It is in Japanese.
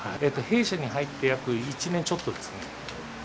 弊社に入って約１年ちょっとですね。